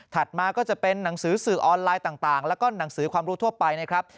มาก็จะเป็นหนังสือสื่อออนไลน์ต่างแล้วก็หนังสือความรู้ทั่วไปนะครับ